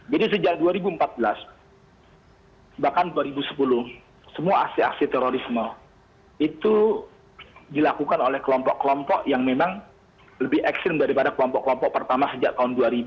jadi sejak dua ribu empat belas bahkan dua ribu sepuluh semua aksi aksi terorisme itu dilakukan oleh kelompok kelompok yang memang lebih ekstrim daripada kelompok kelompok pertama sejak tahun dua ribu